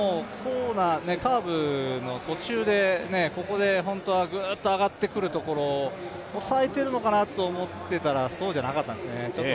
カーブの途中で本当はぐーっと上がってくるところ抑えてるのかなと思っていたらそうじゃなかったんですね。